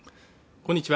こんにちは